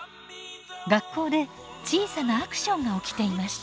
学校で小さなアクションが起きていました。